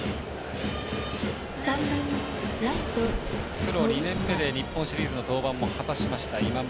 プロ２年目で日本シリーズの登板も果たしました今村。